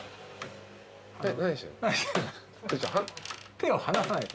手を離さないと。